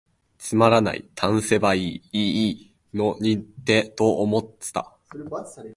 つまらない、癈せばいゝのにと思つた。